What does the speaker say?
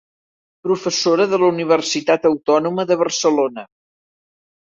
Professora de la Universitat Autònoma de Barcelona.